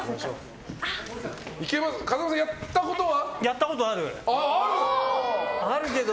風間さん、やったことは？